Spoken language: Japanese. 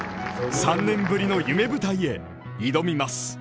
３年ぶりの夢舞台へ挑みます。